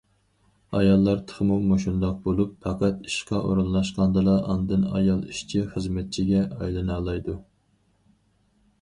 ئاياللار تېخىمۇ مۇشۇنداق بولۇپ، پەقەت ئىشقا ئورۇنلاشقاندىلا، ئاندىن ئايال ئىشچى- خىزمەتچىگە ئايلىنالايدۇ.